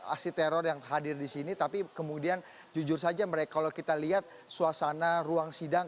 aksi teror yang hadir di sini tapi kemudian jujur saja mereka kalau kita lihat suasana ruang sidang